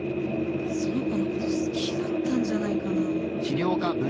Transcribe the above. その子のこと好きだったんじゃないかな。